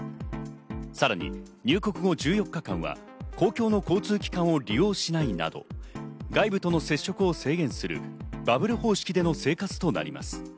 さらに入国後１４日間は公共の交通機関を利用しないなど外部との接触を制限するバブル方式での生活となります。